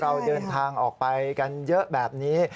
เราเดินทางออกไปกันเยอะแบบนี้